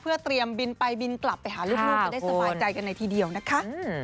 เพื่อเตรียมบินไปบินกลับไปหาลูกจะได้สบายใจกันเลยทีเดียวนะคะ